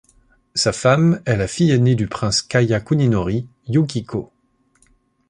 Sa femme est la fille aînée du prince Kaya Kuninori, Yukiko.